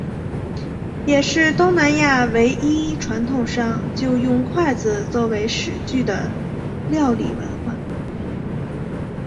也是东南亚唯一传统上就用筷子作为食具的料理文化。